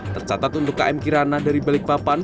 tercatat untuk km kirana dari balikpapan